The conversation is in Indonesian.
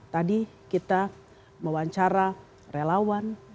tadi kita mewawancara relawan